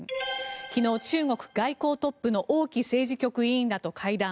昨日、中国外交トップの王毅政治局委員らと会談。